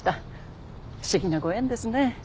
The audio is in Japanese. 不思議なご縁ですね。